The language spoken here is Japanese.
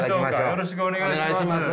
よろしくお願いします。